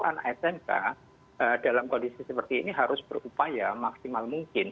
anak smk dalam kondisi seperti ini harus berupaya maksimal mungkin